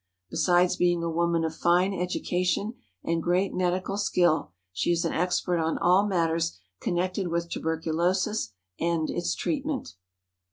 Besides being a woman of fine education and great medical skill, she is an expert on all matters connected with tuberculosis and its treatment.